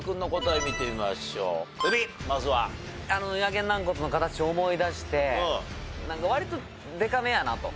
げん軟骨の形を思い出してなんか割とでかめやなと。